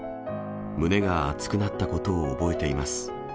胸が熱くなったことを覚えています。